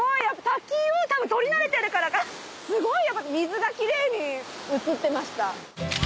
滝を多分撮り慣れてるからかすごいやっぱ水がキレイに写ってました。